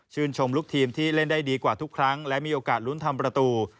ชมลูกทีมที่เล่นได้ดีกว่าทุกครั้งและมีโอกาสลุ้นทำประตู